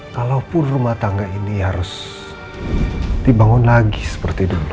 kalaupun rumah tangga ini harus dibangun lagi seperti dulu